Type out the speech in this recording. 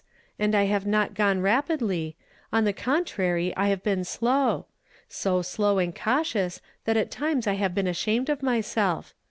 And I have not gone rapidly ; on the contrary I liave been slow. So slow and cautious that at times I have been ashamed of myself.